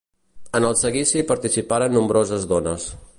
En el seguici participaren nombroses dones.